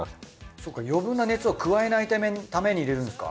そうか余分な熱を加えないために入れるんですか？